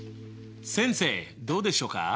先生どうでしょうか？